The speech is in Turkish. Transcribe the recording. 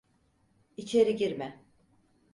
İçeri girme!